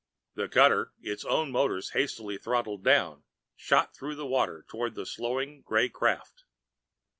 The cutter, its own motors hastily throttled down, shot through the water toward the slowing gray craft.